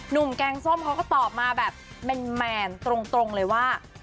แกงส้มเขาก็ตอบมาแบบแมนตรงเลยว่า